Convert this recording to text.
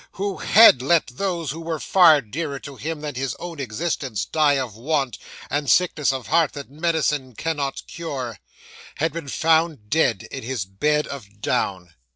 who _had _let those who were far dearer to him than his own existence die of want, and sickness of heart that medicine cannot cure had been found dead in his bed of down.